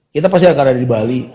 kita pasti akan ada di bali